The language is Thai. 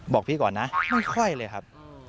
บอกพี่ก่อนนะไม่ค่อยเลยครับ